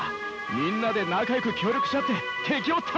みんなで仲よく協力し合って敵を倒そう！